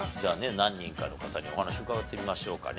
何人かの方にお話伺ってみましょうかね。